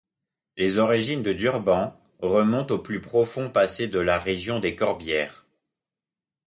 Les origines de Durban remontent au plus profond passé de la région des Corbières.